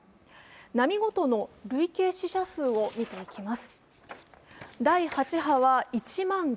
波ごとの累計死者数を見ていきます。